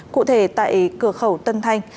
cụ thể tại cửa khẩu tân thanh